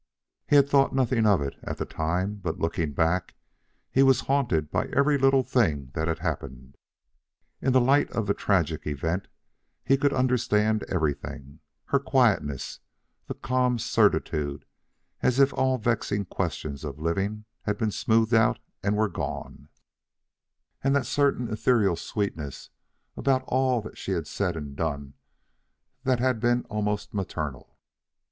He had thought nothing of it at the time; but, looking back, he was haunted by every little thing that had happened. In the light of the tragic event, he could understand everything her quietness, that calm certitude as if all vexing questions of living had been smoothed out and were gone, and that certain ethereal sweetness about all that she had said and done that had been almost maternal.